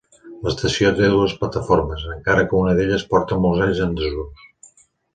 L'estació té dues plataformes, encara que una d'elles porta molts anys en desús.